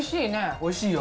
おいしいよ。